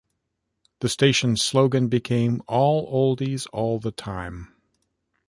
The station's slogan became "All Oldies, All The Time".